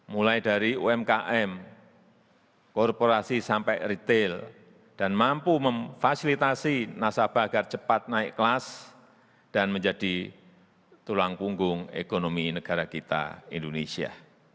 mulai dari umkm korporasi sampai retail dan mampu memfasilitasi nasabah agar cepat naik kelas dan menjadi tulang punggung ekonomi negara kita indonesia